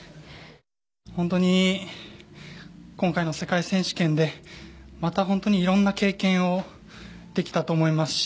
本当に今回の世界選手権でいろんな経験をできたと思いますし